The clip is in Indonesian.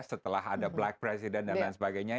setelah ada black president dan lain sebagainya